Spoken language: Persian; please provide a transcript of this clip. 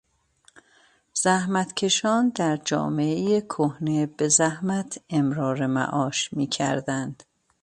زحمتکشان در جامعهٔ کهنه بزحمت امرار معاش میکردند.